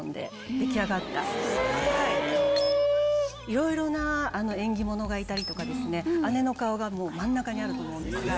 いろいろな縁起物がいたりとか姉の顔が真ん中にあると思うんですが。